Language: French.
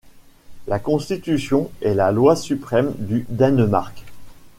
La Constitution est la loi suprême du Danemark.